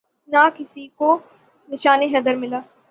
نہ کسی کو نشان حیدر ملا